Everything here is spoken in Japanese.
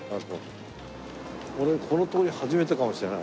俺この通り初めてかもしれない。